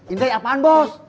intai apaan bos